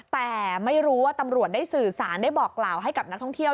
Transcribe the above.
แต่ไม่รู้ว่าตำรวจได้สื่อสารได้บอกกล่าวให้กับนักท่องเที่ยว